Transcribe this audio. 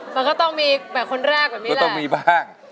มันก็ต้องมีแบบคนแรกแบบนี้ก็ต้องมีบ้าง